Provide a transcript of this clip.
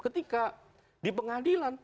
ketika di pengadilan